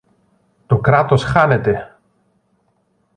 Το Κράτος χάνεται!